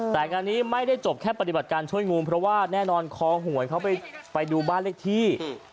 แต่งานนี้ไม่ได้จบแค่ปฏิบัติการช่วยงูมเพราะว่าแน่นอนคอหวยเขาไปดูบ้านเลขที่